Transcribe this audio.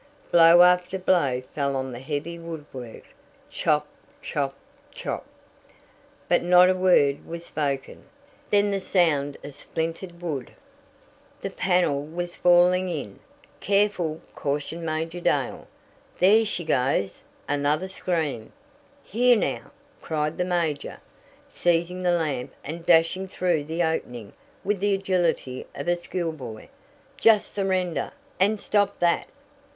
Blow after blow fell on the heavy woodwork. Chop! Chop! Chop! But not a word was spoken. Then the sound of splintered wood. The panel was falling in. "Careful!" cautioned Major Dale. "There she goes!" Another scream! "Here, now!" cried the major, seizing the lamp and dashing through the opening with the agility of a schoolboy. "Just surrender, and stop that!"